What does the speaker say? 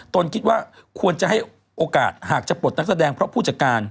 ตนคิดว่าควรจะให้โอกาสหากจะปลดนักแสดงเพราะผู้จัดการ